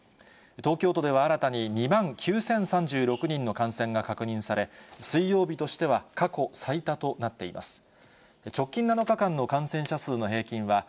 東京都では新たに、２万９０３６人の感染が確認され、水曜日としては過去最多となっています。．８％でした。